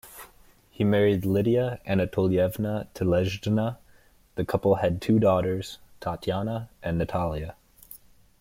He married Lydia Anatolievna Telezhldna; the couple had two daughters, Tatiana and Natalia.